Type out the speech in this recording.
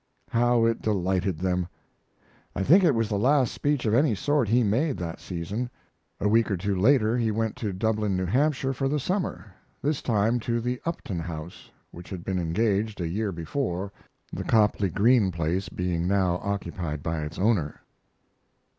How it delighted them! I think it was the last speech of any sort he made that season. A week or two later he went to Dublin, New Hampshire, for the summer this time to the Upton House, which had been engaged a year before, the Copley Greene place being now occupied by its owner.